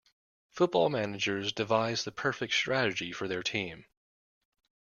Football managers devise the perfect strategy for their team.